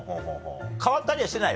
変わったりはしてない？